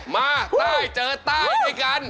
มาใต้เจอใต้ด้วยกัน